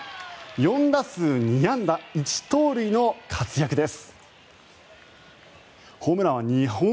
４打数２安打１盗塁の活躍です。